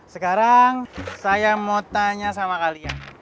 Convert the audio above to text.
sekarang saya mau tanya sama kalian